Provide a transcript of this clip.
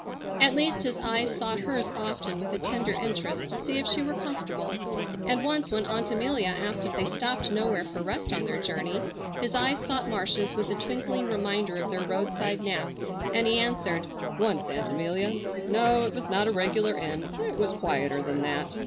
At least his eyes sought hers often with a tender interest to see if she were comfortable, and once, when Aunt Amelia asked if they stopped nowhere for rest on their journey, his eyes sought Marcia's with a twinkling reminder of their roadside nap, and he answered, "Once, Aunt Amelia. No, it was not a regular inn. It was quieter than that.